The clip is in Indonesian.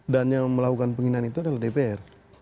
yang melakukan penghinaan itu adalah dpr